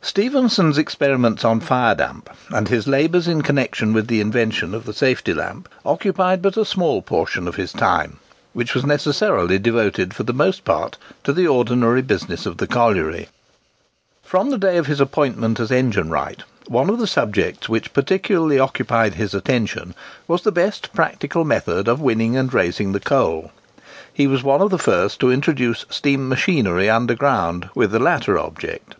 Stephenson's experiments on fire damp, and his labours in connexion with the invention of the safety lamp, occupied but a small portion of his time, which was necessarily devoted for the most part to the ordinary business of the colliery. From the day of his appointment as engine wright, one of the subjects which particularly occupied his attention was the best practical method of winning and raising the coal. He was one of the first to introduce steam machinery underground with the latter object.